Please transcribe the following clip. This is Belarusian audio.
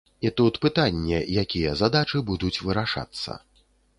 І тут пытанне, якія задачы будуць вырашацца.